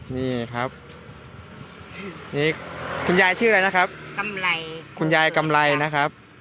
นี่ครับนี่คุณยายชื่ออะไรนะครับกำไรคุณยายกำไรนะครับ